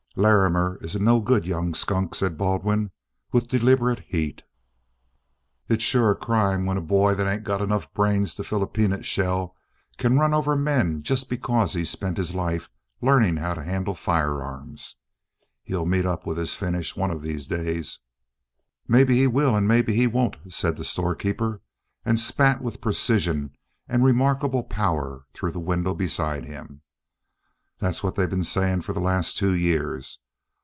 "Larrimer is a no good young skunk," said Baldwin, with deliberate heat. "It's sure a crime when a boy that ain't got enough brains to fill a peanut shell can run over men just because he's spent his life learning how to handle firearms. He'll meet up with his finish one of these days." "Maybe he will, maybe he won't," said the storekeeper, and spat with precision and remarkable power through the window beside him. "That's what they been saying for the last two years.